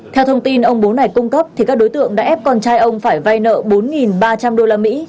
theo thông tin ông bố này cung cấp thì các đối tượng đã ép con trai ông phải vay nợ bốn ba trăm linh đô la mỹ